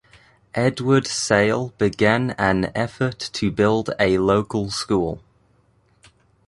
Edward Sale began an effort to build a local school.